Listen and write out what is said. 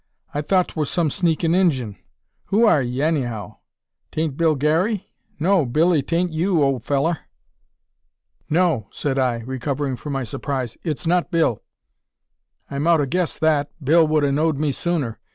I thought 'twur some sneaking Injun. Who are 'ee, anyhow? 'Tain't Bill Garey? No, Billee, 'tain't you, ole fellur." "No," said I, recovering from my surprise; "it's not Bill." "I mout 'a guessed that. Bill wud 'a know'd me sooner.